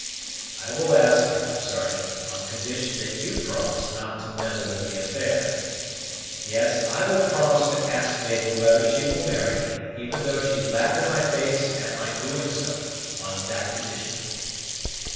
"I will ask her, Sergeant, on condition that you promise not to meddle in the affair yes, I will promise to ask Mabel whether she will marry me, even though she laugh in my face at my doing so, on that condition."